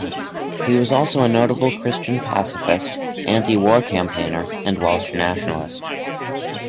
He was also a notable Christian pacifist, anti-war campaigner, and Welsh nationalist.